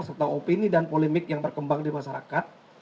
serta opini dan polemik yang berkembang di masyarakat